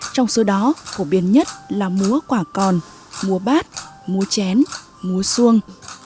trong số đó phổ biến nhất là múa quả còn múa bát múa chén múa xuông